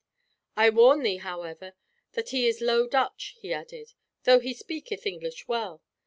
"I warn thee, however, that he is Low Dutch," he added, "though he speaketh English well."